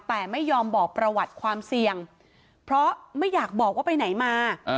แต่ไม่ยอมบอกประวัติความเสี่ยงเพราะไม่อยากบอกว่าไปไหนมา